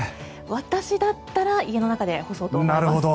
私だったら家の中で干そうと思います。